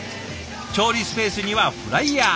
調理スペースにはフライヤー。